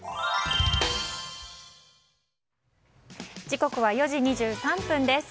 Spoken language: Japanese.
時刻は４時２３分です。